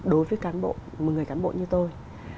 đối với cán bộ một người cán bộ như tôi